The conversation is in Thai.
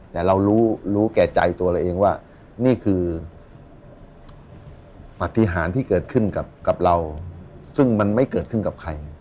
แต่เรารู้รู้แก่ใจตัวเราเองว่านี่คือปฏิหารที่เกิดขึ้นกับเราซึ่งมันไม่เกิดขึ้นกับใคร